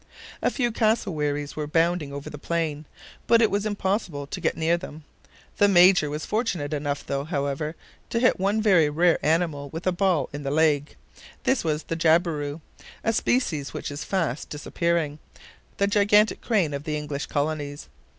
A few cassowaries were bounding over the plain, but it was impossible to get near them. The Major was fortunate enough, however, to hit one very rare animal with a ball in the leg. This was the jabiru, a species which is fast disappearing, the gigantic crane of the English colonies.